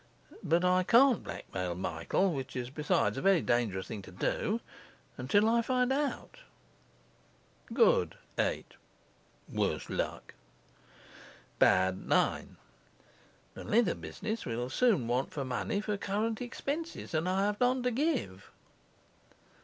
But I can't blackmail Michael (which is, besides, a very dangerous thing to do) until I find out. 8. Worse luck! 9. The leather business will soon want money for current expenses, and I have none to give.